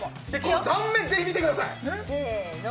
断面見てください。